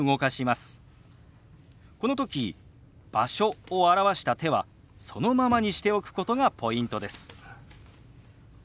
この時「場所」を表した手はそのままにしておくことがポイントです。